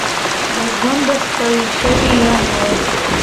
له ژونده ستړي شوي يم نور .